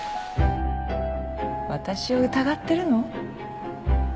私を疑ってるの？